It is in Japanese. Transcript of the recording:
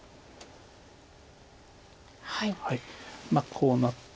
こうなって。